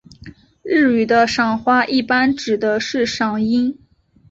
日语的赏花一般指的是赏樱。